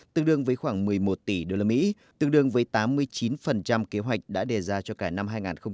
tương đương với khoảng một mươi một tỷ đô la mỹ tương đương với tám mươi chín kế hoạch đã đề ra cho cả năm hai nghìn một mươi sáu